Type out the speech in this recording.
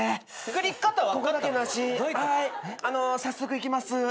あの早速いきます。